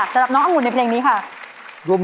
สำหรับน้ององุ่นในเพลงนี้ค่ะ